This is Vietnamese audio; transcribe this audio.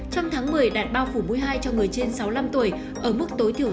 trong tháng một mươi đạt bao phủ mũi hai cho người trên sáu mươi năm tuổi ở mức tối thiểu